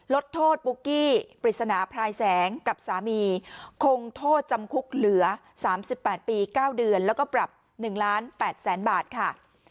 ลดโทษปุ๊กกี้ปริศนาพลายแสงกับสามีคงโทษจำคุกเหลือ๓๘ปี๙เดือนแล้วก็ปรับ๑ล้าน๘แสนบาทค่ะ